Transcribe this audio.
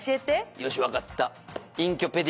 「よしわかった」